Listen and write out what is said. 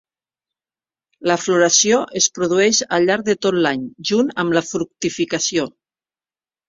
La floració es produeix al llarg de tot l'any junt amb la fructificació.